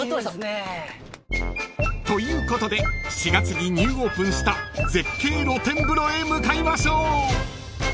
［ということで４月にニューオープンした絶景露天風呂へ向かいましょう］